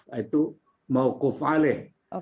yaitu mawkuf alih